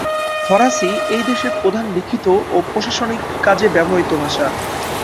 ফরাসি এই দেশের প্রধান লিখিত ও প্রশাসনিক কাজে ব্যবহৃত ভাষা।